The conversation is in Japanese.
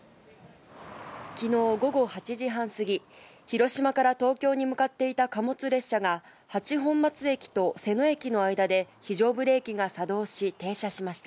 昨日、午後８時半過ぎ、広島から東京に向かっていた貨物列車が八本松駅と瀬野駅の間で非常ブレーキが作動し停車しました。